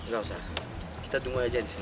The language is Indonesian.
gak usah kita tunggu aja disini